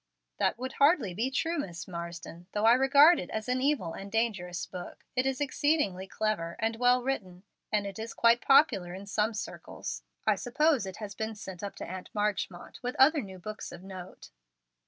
"That would hardly be true, Miss Marsden. Though I regard it as an evil and dangerous book, it is exceedingly clever, and well written, and it is quite popular in some circles. I suppose it has been sent up to Aunt Marchmont with other new books of note."